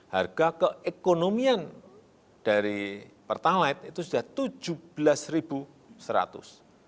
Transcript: harga keekonomian dari pertalat itu sudah tujuh belas ribu